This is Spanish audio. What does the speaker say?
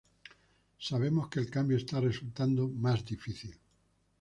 Sabemos que el cambio está resultando más difícil.